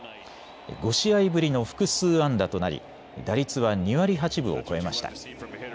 ５試合ぶりの複数安打となり打率は２割８分を超えました。